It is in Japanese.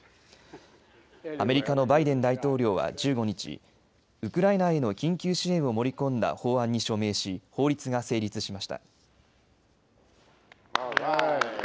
アメリカのバイデン大統領は１５日、ウクライナへの緊急支援を盛り込んだ法案に署名し法律が成立しました。